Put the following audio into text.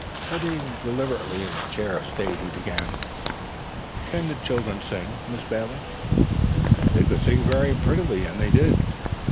Settling deliberately in the chair of state, he began: "Can the children sing, Miss Bailey?" They could sing very prettily and they did.